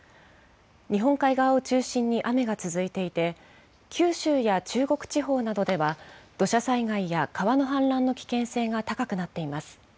日本海側を中心に雨が続いていて、九州や中国地方などでは、土砂災害や川の氾濫の危険性が高くなっています。